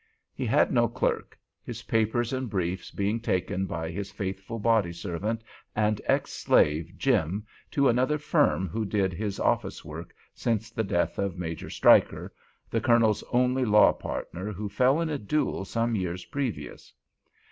He had no clerk; his papers and briefs being taken by his faithful body servant and ex slave "Jim" to another firm who did his office work since the death of Major Stryker—the Colonel's only law partner, who fell in a duel some years previous.